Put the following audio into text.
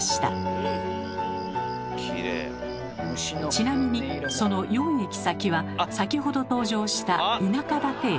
ちなみにその４駅先は先ほど登場した田舎館駅。